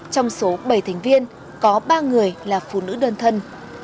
trong số bảy thành viên có ba người là phụ nữ đơn thân